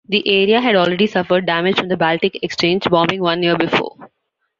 The area had already suffered damage from the Baltic Exchange bombing one year before.